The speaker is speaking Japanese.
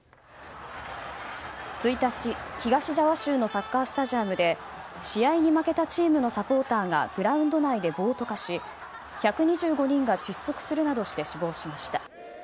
１日、東ジャワ州のサッカースタジアムで試合に負けたチームのサポーターがグラウンド内で暴徒化し１２５人が窒息するなどして死亡しました。